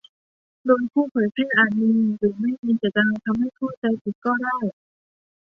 โดยผู้เผยแพร่อาจมีหรือไม่มีเจตนาทำให้เข้าใจผิดก็ได้